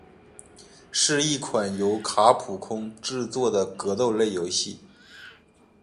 是一款由卡普空制作的格斗类游戏。